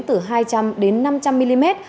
từ hai trăm linh đến năm trăm linh mm